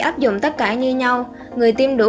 ấp dụng tất cả như nhau người tiêm đủ